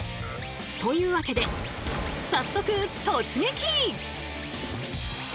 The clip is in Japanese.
というわけで早速突撃！